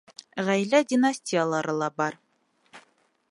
Ғаилә династиялары ла бар.